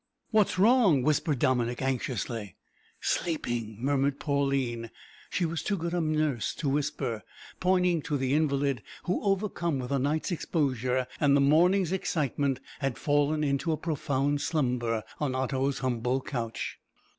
"What's wrong?" whispered Dominick, anxiously. "Sleeping," murmured Pauline she was too good a nurse to whisper pointing to the invalid, who, overcome with the night's exposure and the morning's excitement, had fallen into a profound slumber on Otto's humble couch.